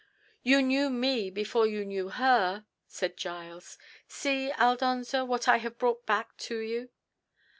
"You knew me before you knew her," said Giles. "See, Aldonza, what I have brought back to you."